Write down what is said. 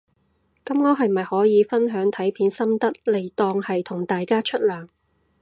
噉我係咪可以分享睇片心得嚟當係同大家出糧